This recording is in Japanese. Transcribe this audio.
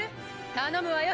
頼むわよ